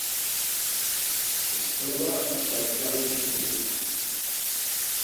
Es troba a South River Street.